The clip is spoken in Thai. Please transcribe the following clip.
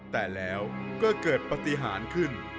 แต่แล้วก็เกิดปฏิหารขึ้น